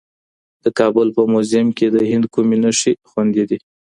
د کابل په موزیم کي د هند کومې نښې خوندي دي؟